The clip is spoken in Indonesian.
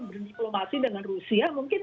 berdiplomasi dengan rusia mungkin